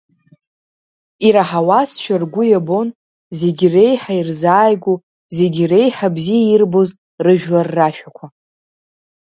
Ираҳауазшәа ргәы иабон, зегьы реиҳа ирзааигәоу, зегьы реиҳа бзиа ирбоз рыжәлар рашәақәа…